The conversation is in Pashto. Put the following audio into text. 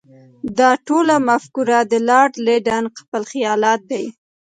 دا ټوله مفکوره د لارډ لیټن خپل خیالات دي.